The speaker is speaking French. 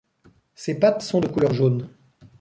Ses pattes sont de couleur jaune.